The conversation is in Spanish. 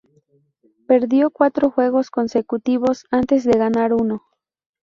Perdió cuatro juegos consecutivos antes de ganar uno.